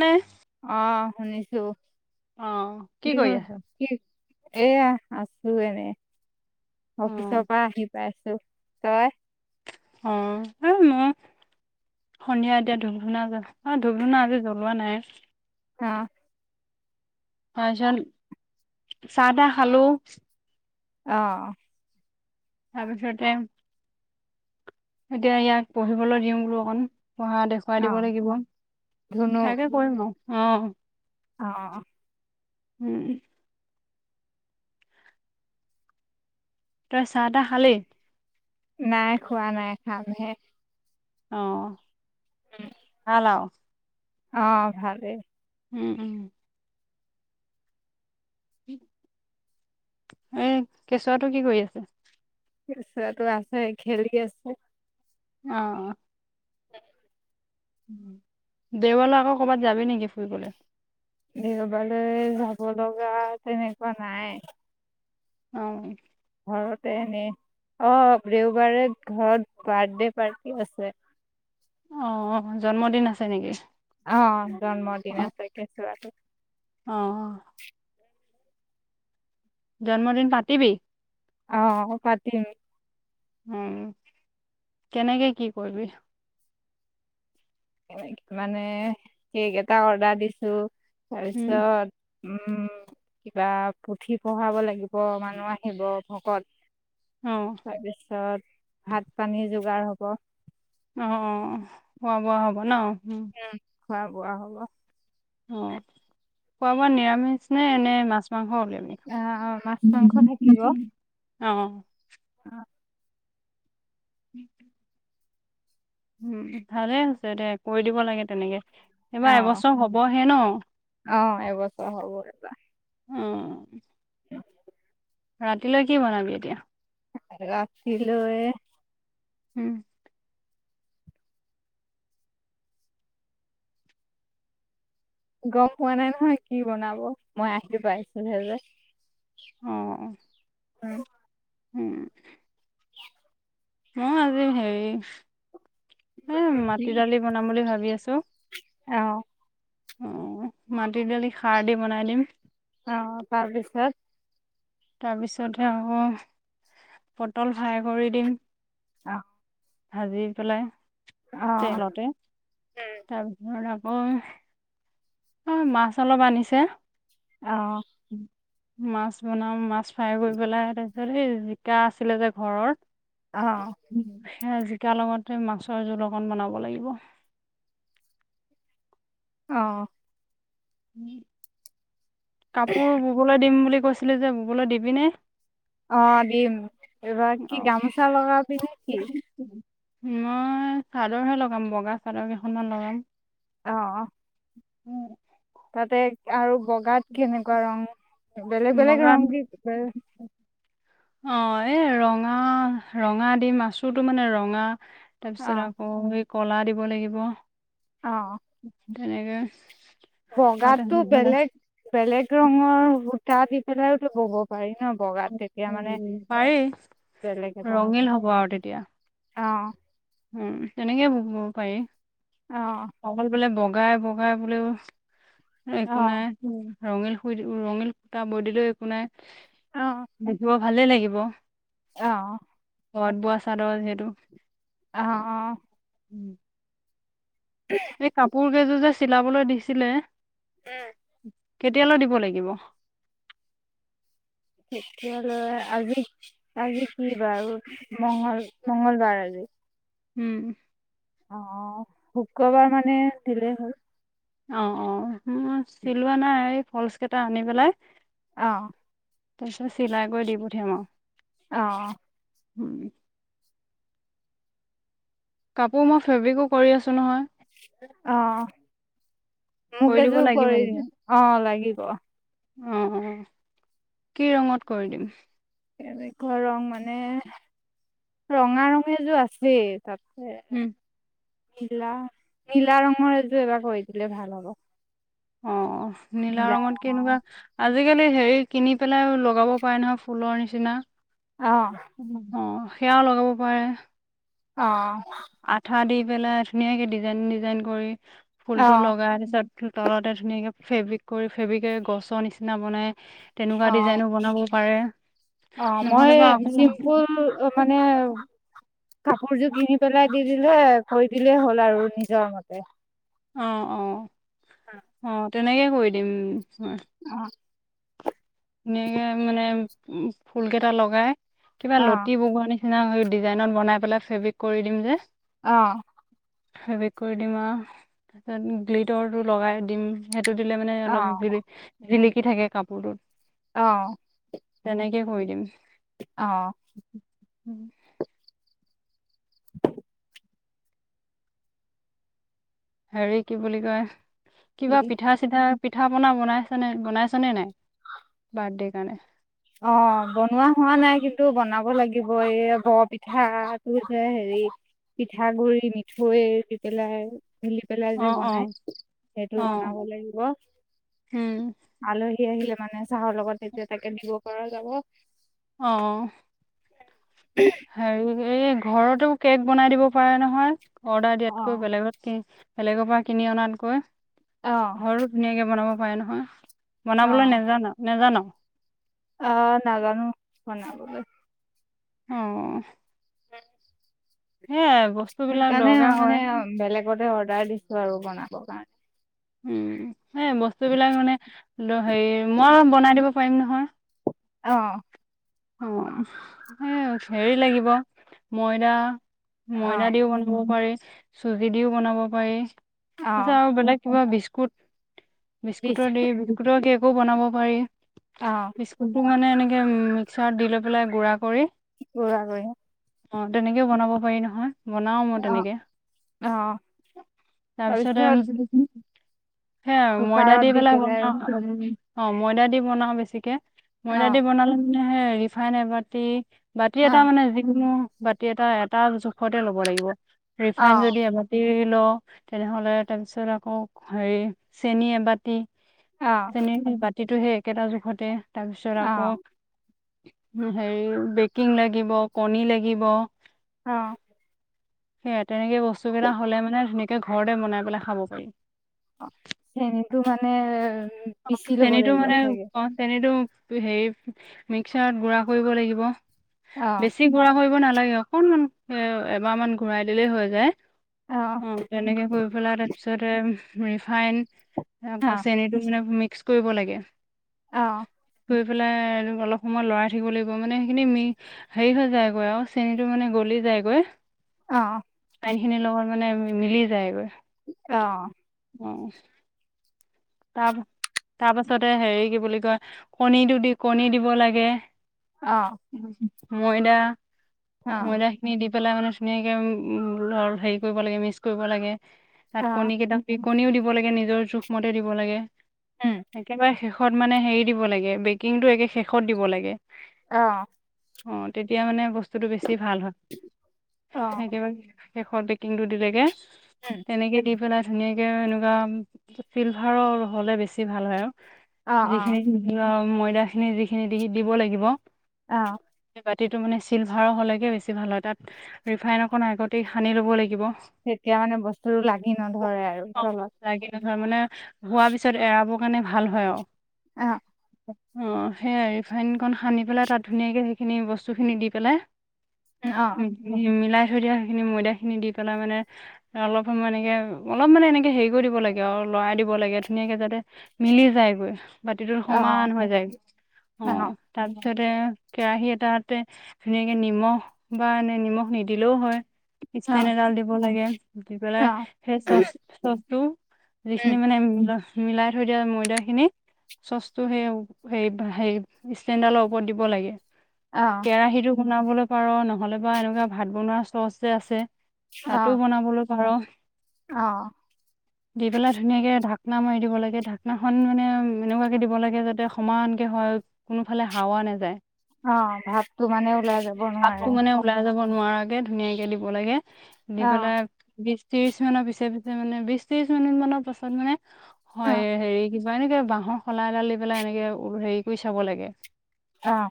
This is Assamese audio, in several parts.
নে অ', শুনিছোঁ। অ', কি কৰি আছ? এইয়া আছোঁ, এনে অ অফিচৰ পৰা আহি পাইছোঁ। তই? অ', এই মইয়ো সন্ধিয়া এতিয়া ধূপ-ধুনা জ্বলাই। অ', ধূপ-ধুনা আজি জ্বলোৱা নাই। অ'। হয়ছ চাহ দাহ খালো। অ'। তাৰ পিছতে এতিয়া ইয়াক পঢ়িবলৈ দিওঁ বোলো অকণ। পঢ়া দেখুৱাই দিব অ', লাগিব, ধুনু সেয়াকে কৰিম আৰু। অ'। অ'। উম। তই চাহ তাহ খালি? নাই, খোৱা নাই খামহে। অ'। উম, হ'লো। অ', ভালেই। উম, উম। উম, কেঁচুৱাটো কি কৰি আছে? কেঁচুৱাটো আছে, খেলি আছে। অ'। [inaudible] দেওলত আকৌ কৰ'বাত যাবি নেকি ফুৰিবলে? দেওঁবাৰেলৈ যাব লগা তেনেকুৱা নাই। অ'। ঘৰতে এনে অ', দেওঁবাৰে ঘৰত বাৰ্থডে পাৰ্টি আছে। অ', অ', জন্মদিন আছে নেকি। অ', জন্মদিন অ আছে কেঁচুৱাটো অ'। জন্মদিন পাতিবি? অ', পতিম। উম, কেনেকে কি কৰিবি? মানে কেক এটা অৰ্ডাৰ দিছো। তাৰ উম পিছত উম, কিবা পুথি পঢ়াব লাগিব মানুহ আহিব ভকত অ তাৰ পিছত ভাত পানীৰ যোগাৰ হ'ব। অ', খোৱা বোৱা হ'ব ন'। উম। খোৱা বোৱা হ'ব। অ', খোৱা বোৱা নিৰামিষ নে এনেই মাছ-মাংস আহ মাছ মাংস থাকিব অ নিৰামিষ অ'। [inaudible] উম, ভালে হৈছে দে কৈ দিব লাগে তেনেকে। এইবাৰ অ', এবছৰ হ'বহে ন অ', এবছৰ হ'ব এবাৰ। অ ৰাতিলৈ কি বনাবি এতিয়া? ৰাতিলৈ উম গম পোৱা নাই নহয় কি বনাব মই আহিলো পাইছিলোহে যে। অহ অ, উম উম ম আজি হেৰি এ মাটি দালি বনাম বুলি ভাবি আছো। টো অহ অ মাটি দালি খাৰ দি বনাই দিম। অ তাৰপিছত তাৰপিছতহে আকৌ পটল ফ্ৰাই কৰি দিম। অ ভাজি পেলাই অ তেলতে তাৰপিছৰত। অ অ' মাছ অলপ আনিছে। অহ মাছ বনাম মাছ। খাই গৈ পেলাই। ত সেই জিকা আছিলে যে ঘৰৰ, অহ, জিকা লগতে মাছৰ জোল অকণ বনাব লাগিব। অ নি [unintelligible] কাপোৰ ববলৈ দিম বুলি। কৈছিলো যে বুবলৈ দিবি নে? অ' দিম। এইবাৰ কি অঁ গামোচা লগাবিনেকি? মই চাদৰহে লগাম বগা চাদৰ কেইখনমান লগাম। অহ, উম তাতে আৰু বগাত কেনেকুৱা ৰং বেলেগ-বেলেগ ৰ‌ং দি দিবা। অ এ ৰঙা-ৰঙা দি মাছোটো মানে ৰঙা, অ তাৰপিছত আকৌ কলা দিব লাগিব। অ'। তেনেকে বগাতো বেলেগ বেলেগ ৰঙৰ সূতা দি সেই ডালতো ব'ব পাৰি। ন বগাত তেতিয়া উ মানে পাৰি ৰঙিল হ'ব আৰু তেতিয়া। আ উম তেনেকে ব'ব পাৰি। অ অকল বোলে বগা গাই বগাই বুলিও অ একো নাই। ৰঙীল শুই ৰঙীল সূতা বৈ দিলেওঁ একো নাই। অ এজোৱা [unintelligible] ভালেই লাগিব। অ'। ঘৰত বোৱা চাদৰ যিহেতু অ' অ'। উম, এই কাপোৰ এযোৰ যে চিলাবলৈ দিছিলে উম। কেতিয়ালৈ দিব লাগিব। তেতিয়ালৈ আজি আজি কি বাৰ মগল মঙ্গলবাৰ আজি। উম। অ', শুক্ৰবাৰ মানে দিলে হ'ল। অ', অ'। উম, মোৰ চিলোৱা নাই। ফল্চ কেইটা আনি পেলাই অ তা পিছত চিলাই কৰি দি পঠিয়াম আৰু। অ হম। কাপোৰ মই ফেব্ৰিকো কৰি আছো নহয়। অ'। মোক কৰি দিব এযোৰ লাগিব কৰি দি, নেকি অ', লাগিব। অ', কি ৰঙত কৰি দিম? কেনেকুৱা ৰং মানে, ৰঙা ৰঙেযোৰ আছেই। তাতে উম নীলা, নীলা ৰঙৰ এযোৰ এবাৰ কৰি দিলে ভাল হ'ব। অ', অ'। নীলা ৰঙত কে এনেকুৱা- আজিকালি হেৰি কিনি পেলাই লগাব পাৰে নহয় ফুলৰ নিচিনা। অ অহ। সেয়াও লগাব পাৰে, অ। আঠা দি পেলাই ধুনীয়াকে ডিজাইন ডিজাইন কৰি- অ ফুলটো লগাই তাপিছত - তলতে ধুনীয়াকে ফেব্ৰিক কৰি ফেব্ৰিকেৰে গছৰ নিচিনা বনাই- তেনেকুৱা অ ডিজাইনো বনাব পাৰে অ মই নহ'লে বাৰু- চিম্পুল মানে [unintelligible] কাপোৰযোৰ কিনি পেলাই দি দিলে কৰি দিলেই হ'ল আৰু নিজৰ মতে- অ অ। অ- তেনেকেই কৰি দিম। [unintelligible] অ ফুলকেইটা লগাই- কিবা অ লতি বগুৱোৱাৰ নিচিনা হৈ- ডিজাইনত বনাই পেলাই ফেব্ৰিক কৰি দিম যে- অ। ফেবিক কৰি দিম আৰু তাৰপিছত গ্লিতৰটো লগাই দিম সে - টো দিলে মানে অলপ জিলিক- কি থাকে কাপোৰটোত। অ। তেনেকে কৰি দিম। অহ। উম। হেৰি কি বুলি কয়- অ কিবা অ পিঠা-চিঠা- পিঠা-পনা বনাইছা বনাইছা নে নাই? বাৰ্থদেই কাৰণে? অ বনোৱা হোৱা নাই কিন্তু বনাব লাগি- গিব এই বৰপিঠাটো যে হেৰি পিঠাগুৰি মিঠৈ দি পেলাই- ঘেলি পেলাই অ যে অ বনাই সেইটো অ বনাব লাগিব, উম আলহী- লহী আহিলে মানে চাহৰ লগত তেতিয়া তাকে দিব- পৰা যাব। অহ। হেৰি এই - ঘৰটো কেক বনাই দিব পাৰে নহয়? অৰ্ডাৰ দিয়াতকৈ, বেলেগত কি বেলেগৰ পৰা কিনি অনাতকৈ অ ঘৰ ধুনীয়াকে বনাব হয়, নহয়। বনাবলৈ নেজান, নেজান? অঁ, নাজানোঁ, বনাবলৈ। অঁ। উম। সেইয়াই সেইকাৰণে আউ মানে অম বেলেগতে আৰ দিছোঁ আৰু বনাবৰ কাৰণে। উম। সেইয়াই বস্তু বিলাক মানে, দ হেৰি মই বনাই দিব পাৰিম নহয়। হাঁ অঁহ সেয়ে আউ হেৰি লাগিব, ময়দা। অ ময়দা দিও বনাব পাৰি। চুজি দিও বনাব পাৰি। অ তাপিছত আউ বেলেগ কিবা বিস্কুট বিস্কুট বিছ দিয়ে বিস্কুটৰ দি বনাব পাৰি। অ বিস্কুটটো মানে এনে সেই মিক্সাৰত দি লৈ পেলাই গুড়া কৰি গুড়া কৰি অঁ, তেনেকেও বনাব পাৰি নহয়। বনাও মই অ তেনেকে, অ তাৰপিছতে তাৰপিছত যদি সেইয়াই আৰু ময়দা দি পেলাই বনোৱা অঁ ময়দা দি বনাও বেছিকে। অ ময়দা দি বনালে হে ৰিফাইন এবাতি বাতি অ এটা মানে যিকোনো বাতি এটা এটা জোখতে ল'ব লাগিব। ৰিফাইন অ যদি এবাতি ল তেনেহ'লে তাৰপিছত আকৌ হেৰি, চেনি এবাতি অ', চনেহিৰ [unintelligible] যিটো সেই একেটা জোখতে তাৰপিছত অ', আকৌ হেৰি বেকিং লাগিব, কণী লাগিব অ সেইয়া তেনেকে বস্তু কেইটা হলে মানে ধুনীয়াকে ঘৰতে বনাই পেলাই খাব পাৰি অ চনীতো মানে উম, অ পিচি ল'ব চেনীতটো লাগিব মানে, চাগে অ চনীটো হেৰি মিক্সাৰত গুড়া কৰিব লাগিব। অ', বেছি গুড়া কৰিব নালাগে নালাগে অকনমান এবাৰ মান ঘূৰাই দিলেই হৈ যায় অ তেনেকে কৰি পেলাৰ পিছতে ৰিফাইন তাৰ পছ অ', চনীটো মিক্স কৰিব লাগে অহ ধুই পেলাই অলপ সময় লৰাই থাকিব লাগিব, মানে সেইখিনি মি হেৰি হৈ যায়গৈ আৰু চেনীতটো মানে গলি যায়গৈ অ আইনখিনিৰ লগত মানে মিলি যায়গৈ আহ উম তাৰ তাৰপাছতে হেৰি কি বুলি কয়, কণীটো দি কণী দিব লাগে অ ময়দা, অ', ময়দা খিনি দি পেলাই মানে ধুনীয়াকৈ লৰ হেৰি কৰিব লাগে মিছ কৰিব লাগে তাত অ', কণীতা দি কণীও দিব লাগে নিজৰ জোখমতে দিব লাগে। উম, একেবাৰে শেষ শেষত মানে হেৰি দিব লাগে, বেকিংটো একে শেষত দিব লাগে। আহ অ তেতিয়া মানে বস্তু বস্তুটো বেছি ভাল হয়। অ', সেইটোৱে শেষৰ বেকিংটো দিলেগৈ উম, তেনেকে দি পেলাই ধুনীয়াকে এনেকুৱা চিলভাৰৰ হ'লে বেছি ভাল হয় আৰু অ', অ', [unintelligible] ময়দা খিনি যিখিনি দি দিব লাগিব। অ'। বাতিটো মানে চিলভাৰৰ হ'লে একে বেছি ভাল হয় তাত ৰিফাইন অকণ আগতেই সানি ল'ব লাগিব। তেতিয়া মানে বস্তুটো লাগি নধৰে আৰু তলত। হয় মানে হোৱাৰ পিছত এৰাব মানে ভাল হয় আৰু। অ'। অ' সেই ৰিফাইনকণ সানি পেলাই তাত ধুনীয়াকৈ সেইখিনি বস্তুখিনি দি পেলাই অ', অ', মিলাই দিয়া খিনি ময়দা খিনি দি পেলাই মানে অলপ সময় এনেকে অলপ মানে এনেকে হেৰি কৰি দিব লাগে। লৰাই দিব লাগে ধুনীয়াকে যাতে মিলি যায়গৈ। বাতিটোৰ অ', সমান হৈ যায়। অ' তাৰপিছত পিছতে কেৰাহী এটাতে ধুনীয়াকে নিমখ বা এনে নিমখ নিদিলেও হয়। ইছ্টেন এডাল দিব লাগে। দি পেলাই সেই চছ চছটো উম, যিখিনি মানে মিলাই থৈ দিয়া ময়দা খিনি চচটো সেই হেই হেৰি ষ্টেণ্ডালৰ ওপৰত দিব লাগে। অ', কেৰাহীটো বনাবলৈ পাৰ নহ'লে বা এনেকুৱা ভাত বনোৱা চছ যে আছে। তাতো অ', বনাবলৈ বাৰু অ'। দি পেলাই ধুনীয়াকে ঢাকনা মাৰি দিব লাগে। ঢাকনাখন মানে এনেকুৱাকে দিব লাগে যাতে সমানকে হয় কোনোফালে হাৱা নাযায়। অ' ভাপতো মানে ওলাই যাব ভাপটো নোৱাৰে। মানে ওলাই যাব নোৱাৰাকে ধুনীয়াকৈ দিব লাগে। দি অ', পেলাই ত্ৰিশ মানৰ পিছে পিছে মানে বিশ ত্ৰিশ মিনিট মানৰ পাছত মানে অ', হয় হেৰি কিবা এনেকে বাহৰ শলা এডাল দি পেলাই এনেকে হেৰি কৰি চাব লাগে। অ'।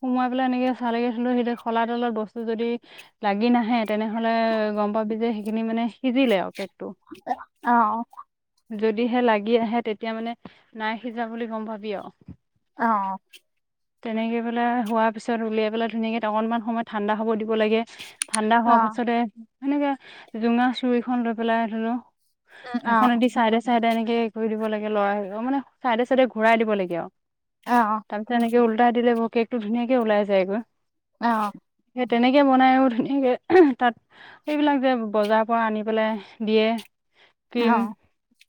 সোমোৱাই পেলাই এনেকে চালে একে সেই শলা ডালত বস্তু যদি লাগি নাহে তেনেহ'লে গম পাবি যে সেইখিনি মানে সিজিলে আৰু কেকটো। অ'। যদিহে লাগি আহে তেতিয়া মানে নাই সিজা বুলি গম পাবি আৰু। অ'। তেনেকে পেলাই হোৱাৰ পিছত উলিয়াই পেলাই ধুনীয়াকে অকনমান সময় ঠাণ্ডা হ'ব দিব লাগে। ঠাণ্ডা হোৱাৰ অ', পাছতে এনেকে জোঙা চুৰিখন লৈ পেলাই ধেনো উম অ', সেইখনদি চাইডে, চাইডে এনেক সে কৰি দিব লাগে ল'ৰা মানে চাইডে, চাইডে ঘূৰাই দিব লাগে আৰু। অ', তালচানকে উলটাই দিলে হ কেকটো ধুনীয়াকে ওলাই যায়গৈ। অ'। সেই তেনেকে বনায়ো ধুনীয়াকে তাত এইবিলাক যে বজাৰৰ পৰা আনি পেলাই দিয়ে। কিম অ',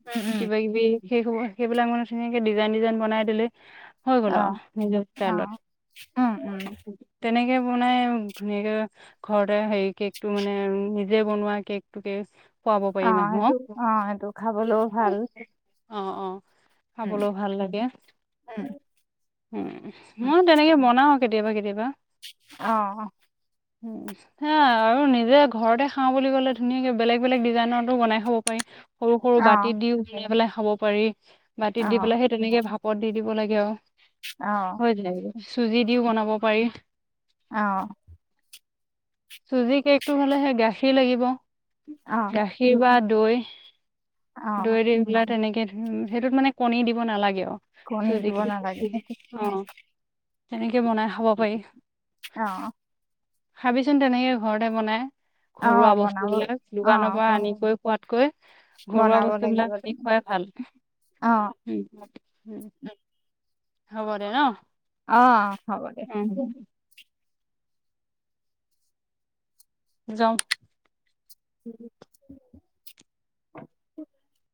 উম উম কিবা কিবি সেই হ'ব, সেইবিলাকমানে ধুনীয়াকে ডিজাইন ডিজাইন বনাই দিলে হৈ গ'ল আৰু অ', নিজৰাইলত অ', উম, উম, তেনেকে বনাই ধুনীয়াকে ঘৰতে হেৰি কেকটো মানে নিজে বনোৱা কেকটোকে পোৱাব পাৰিমমান অ', এইটো অ', এইটো খাবলৈও ভাল। উম, খাবলৈ ভাল লাগে উম। উম, উম মই তেনেকে বনাওঁ। কেতিয়াবা, কেতিয়াবা অ'। হা আৰু নিজে ঘৰতে খাওঁ বুলি ক'লে ধুনীয়াকে বেলেগ বেলেগ ডিজাইনতটো বনাই হ'ব পাৰি। সৰু সৰু অ', বাটিত দিও সাই পেললে খাব পাৰি। বাটিত দি অ', পেলাই সেই তেনেকে ভাল পদ দি দিব লাগে অ', আৰু। হ'দে চুজি দিওঁ বনাব পাৰি। অ'। চুজি কেকটো হ'লে সেই গাখীৰ লাগিব। অ', গাখীৰ বাদ দৈ। অ', ডৰি তেনেকে সেইটোত মানে কণী দিব নালাগে আৰু। কনেই যিব চুজিকে নালাগে। অ তেনেকে বনাই খাব পাৰি। অ'। খাবিচোন তেনেকে ঘৰতে বনাই। ঘৰুৱা অ', বস্তু বনাব বিলাক দোকানৰ অ', পৰা বন আনি কৈ খোৱাতকৈ ঘৰুৱা বনাব লাগিব বস্তুবিলাক কিনি খোৱাই ভাল। অ', হ'ব দে ন? অ', হ'ব দে। উম যাওক [inaudible]